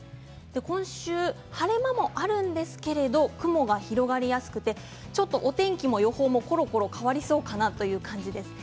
今週は晴れ間もあるんですけど雲が広がりやすくてお天気も予報もころころと変わりそうかなという感じです。